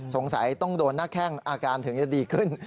สงสัยต้องโดนหน้าแข้งอาการถึงจะดีขึ้น